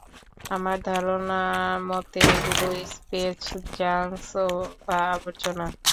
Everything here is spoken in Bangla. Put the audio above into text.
আমার ধারণা মতে ওগুলো স্পেস জাঙ্ক বা আবর্জনা।